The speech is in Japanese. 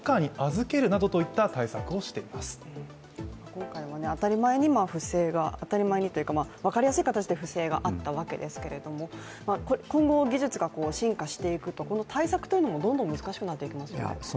今回は当たり前にというか、わかりやすい形で不正があったわけですけれども、今後技術が進化していくとこの対策というのもどんどん難しくなっていきますよね。